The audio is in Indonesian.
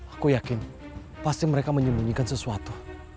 aku yakin pasti mereka menyembunyikan sesuatu